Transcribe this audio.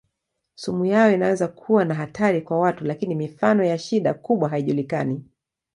Sumu yao inaweza kuwa na hatari kwa watu lakini mifano ya shida kubwa haijulikani.